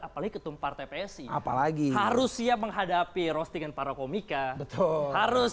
apalagi ketumpar tpsi apalagi harus siap menghadapi roasting para komika harus